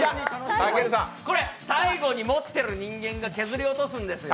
これ、最後に持ってる人間が削り落とすんですよ。